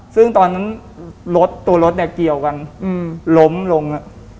ซึ่งตอนนั้นรถตัวรถเนี่ยเกี่ยวกันล้มลง